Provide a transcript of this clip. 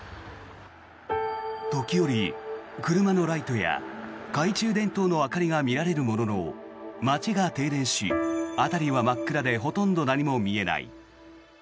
時折、車のライトや懐中電灯の明かりが見られるものの街が停電し、辺りは真っ暗でほとんど何も見えない。